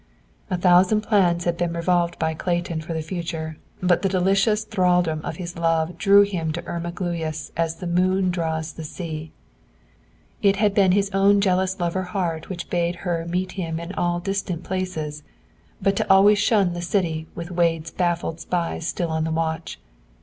A thousand plans had been revolved by Clayton for the future, but the delicious thralldom of his love drew him to Irma Gluyas as the moon draws the sea. It had been his own jealous lover heart which bade her meet him in all distant places, but to always shun the city with Wade's baffled spies still on the watch.